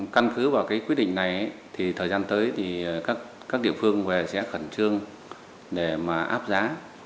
căn cứ vào quyết định này thì thời gian tới các địa phương sẽ khẩn trương để áp giá